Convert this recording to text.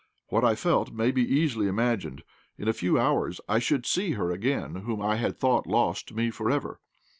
What I felt may be easily imagined. In a few hours I should see again her whom I had thought lost to me for ever.